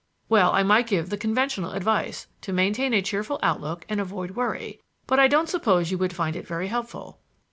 "Well, I might give the conventional advice to maintain a cheerful outlook and avoid worry; but I don't suppose you would find it very helpful."